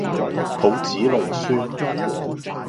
抱子弄孫